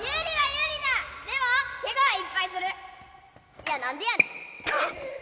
いやなんでやねん！